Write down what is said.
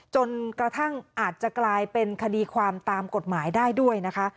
จนกระทั่งอาจจะกลายเป็นคดีความตามกฎหมายได้ด้วยนะคะ